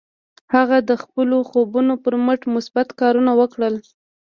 هغه د خپلو خوبونو پر مټ مثبت کارونه وکړل.